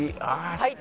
はい。